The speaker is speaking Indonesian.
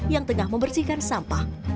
yang tengah membersihkan sampah